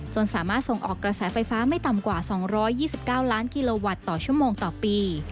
สามารถส่งออกกระแสไฟฟ้าไม่ต่ำกว่า๒๒๙ล้านกิโลวัตต์ต่อชั่วโมงต่อปี